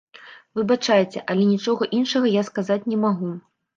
Выбачайце, але нічога іншага я сказаць не магу.